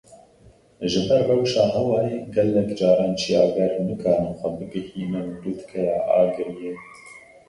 Ji ber rewşa hewayê gelek caran çiyager nikarin xwe bigihînin lûtkeya Agiriyê.